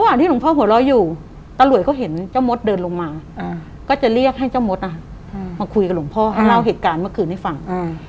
ที่หลวงพ่อหัวเราะอยู่ตำรวจก็เห็นเจ้ามดเดินลงมาก็จะเรียกให้เจ้ามดมาคุยกับหลวงพ่อให้เล่าเหตุการณ์เมื่อคืนให้ฟัง